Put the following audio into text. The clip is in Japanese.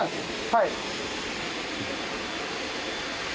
はい。